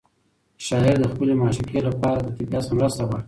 شاعر د خپلې معشوقې لپاره له طبیعت څخه مرسته غواړي.